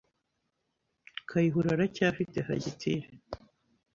Kayihura aracyafite fagitire.